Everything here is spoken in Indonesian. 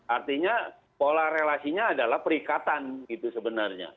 artinya pola relasinya adalah perikatan gitu sebenarnya